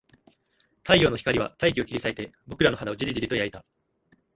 太陽の光は大気を切り裂いて、僕らの肌をじりじりと焼いた